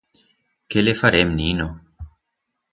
Qué le farem, nino?